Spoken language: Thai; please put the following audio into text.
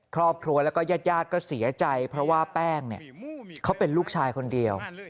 ครอบครัวแล้วก็ญาติก็เสียใจเพราะว่าแป้งเขาเป็นลูกชายคนเดียว